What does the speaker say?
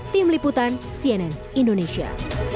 tim liputan cnn indonesia